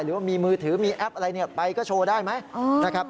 หรือว่ามีมือถือมีแอปอะไรไปก็โชว์ได้ไหมนะครับ